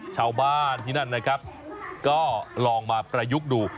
ชาวบ้านที่นั่นนะครับก็ลองมาประยุกต์ดู